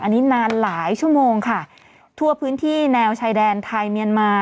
อันนี้นานหลายชั่วโมงค่ะทั่วพื้นที่แนวชายแดนไทยเมียนมา